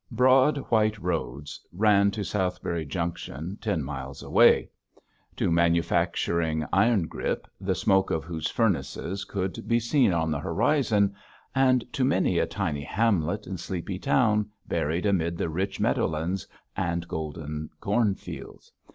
Broad, white roads ran to Southberry Junction, ten miles away; to manufacturing Irongrip, the smoke of whose furnaces could be seen on the horizon; and to many a tiny hamlet and sleepy town buried amid the rich meadowlands and golden cornfields.